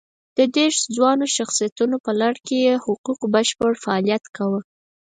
د دېرش ځوانو شخصیتونو په لړ کې یې حقوق بشر فعالیت کاوه.